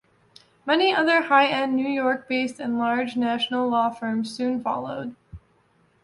Many other high-end New York-based and large national law firms soon followed.